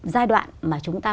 giai đoạn mà chúng ta